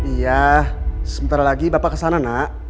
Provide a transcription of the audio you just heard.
iya sebentar lagi bapak kesana nak